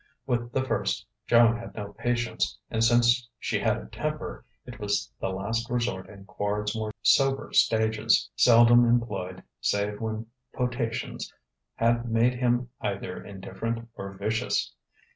With the first, Joan had no patience; and since she had a temper, it was the last resort in Quard's more sober stages, seldom employed save when potations had made him either indifferent or vicious.